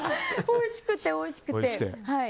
おいしくて、おいしくて。